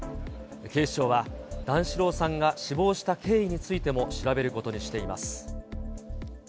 警視庁は、段四郎さんが死亡した経緯についても調べることにしています。